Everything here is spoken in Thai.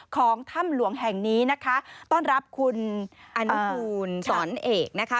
ของถ้ำหลวงแห่งนี้นะคะต้อนรับคุณอนุกูลสอนเอกนะคะ